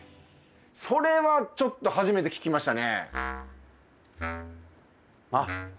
それはちょっと初めて聞きましたね。